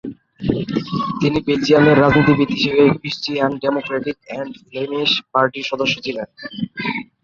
তিনি বেলজিয়ামের রাজনীতিবিদ হিসেবে ক্রিশ্চিয়ান ডেমোক্র্যাটিক এন্ড ফ্লেমিশ পার্টির সদস্য ছিলেন।